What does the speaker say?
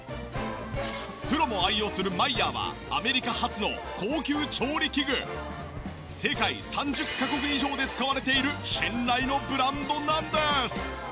プロも愛用するマイヤーは世界３０カ国以上で使われている信頼のブランドなんです。